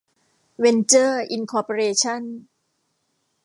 เวนเจอร์ อินคอร์ปอเรชั่น